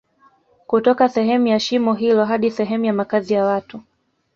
kutoka sehemu ya shimo hilo hadi sehemu ya makazi ya watu